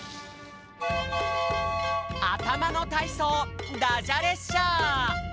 あたまのたいそうダジャ列車！